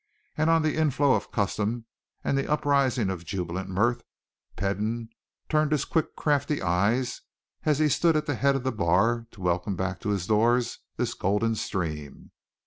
And on the inflow of custom and the uprising of jubilant mirth, Peden turned his quick, crafty eyes as he stood at the head of the bar to welcome back to his doors this golden stream.